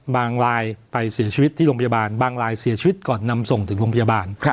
รายไปเสียชีวิตที่โรงพยาบาลบางรายเสียชีวิตก่อนนำส่งถึงโรงพยาบาล